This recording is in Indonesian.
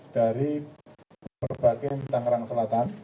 dari perbagian tangerang selatan